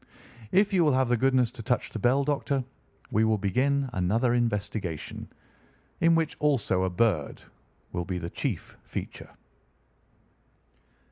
If you will have the goodness to touch the bell, Doctor, we will begin another investigation, in which, also a bird will be the chief feature."